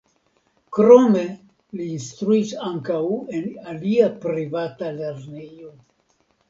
Krome li instruis ankaŭ en alia privata lernejo.